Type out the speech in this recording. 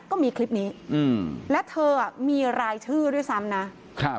ก็มีคลิปนี้อืมและเธออ่ะมีรายชื่อด้วยซ้ำนะครับ